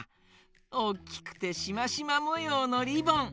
おっきくてしましまもようのリボン！